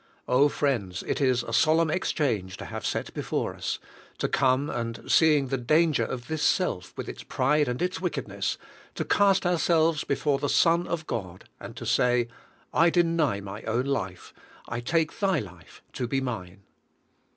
Oh, friends, it is a solemn exchange to have set before us; to 34 THE SELF LIFE come and, seeing the danger of this self, with its pride and its wickedness, to cast ourselves before the Son of God, and to say, "I deny my own life, I take Thy life to be mine."